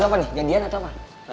apa nih jadian atau apa